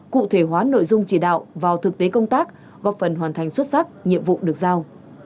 cụ thể hóa nội dung chỉ đạo vào thực tế công tác góp phần hoàn thành xuất sắc nhiệm vụ được giao